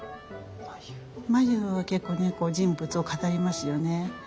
眉は結構ね人物を語りますよね。